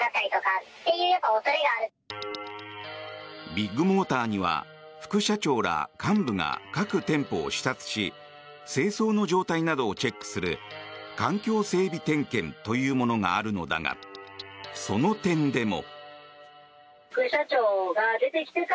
ビッグモーターには副社長ら幹部が各店舗を視察し清掃の状態などをチェックする環境整備点検というものがあるのだが、その点でも。